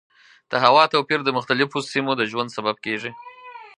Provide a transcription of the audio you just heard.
د هوا توپیر د مختلفو سیمو د ژوند سبب کېږي.